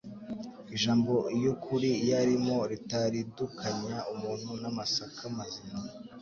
Ijambo iy'ukuri iyarimo ritaridukanya umuntu n'amasaka mazima.